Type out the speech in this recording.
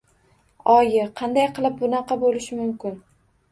Oyi! Qanday qilib bunaqa boʻlishi mumkin?